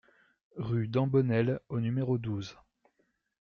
Rue d'Embonnel au numéro douze